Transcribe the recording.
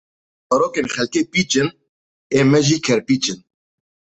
Zarokên xelkê pîç in ên me jî kerpîç in.